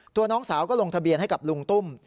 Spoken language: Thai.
น้องสาวก็ลงทะเบียนให้กับลุงตุ้ม